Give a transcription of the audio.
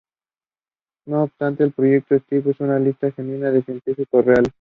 No obstante, el Proyecto Steve es una lista genuina de científicos reales.